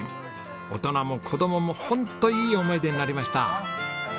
大人も子供もホントいい思い出になりました。